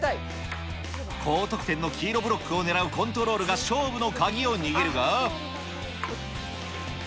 高得点の黄色ブロックを狙うコントロールが、勝負の鍵を握るが。